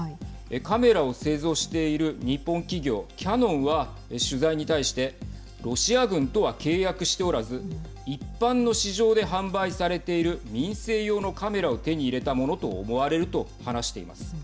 カメラを製造している日本企業キヤノンは取材に対してロシア軍とは契約しておらず一般の市場で販売されている民生用のカメラを手に入れたものと思われると話しています。